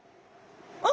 あ！